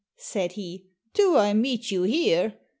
said he, "Do I meet you here?